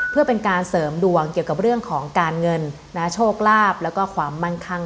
เพื่อเป็นการเสริมดวงเกี่ยวกับเรื่องของการเงินโชคลาภแล้วก็ความมั่นคั่ง